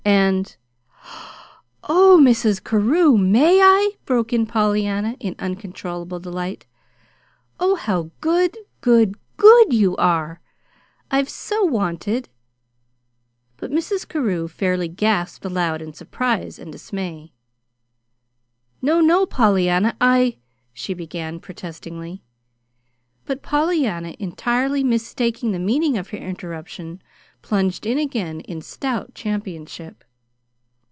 And " "Oh, Mrs. Carew, MAY I?" broke in Pollyanna, in uncontrollable delight. "Oh, how good, GOOD, GOOD you are! I've so wanted " But Mrs. Carew fairly gasped aloud in surprise and dismay. "No, no, Pollyanna, I " she began, protestingly. But Pollyanna, entirely mistaking the meaning of her interruption, plunged in again in stout championship.